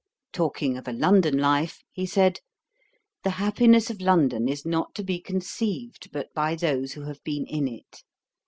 Talking of a London life, he said, 'The happiness of London is not to be conceived but by those who have been in it.